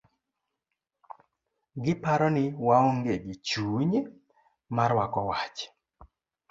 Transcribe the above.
Giparo ni waonge gi chuny marwako wach.